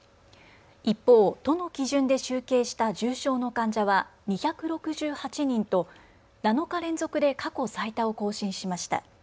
一方、都の基準で集計した重症の患者は２６８人と７日連続で過去最多を更新しました。